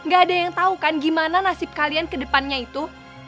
gak ada yang tau kan gimana nasib kalian ke depannya itu